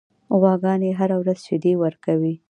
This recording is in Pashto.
غواګانې هره ورځ شیدې ورکوي.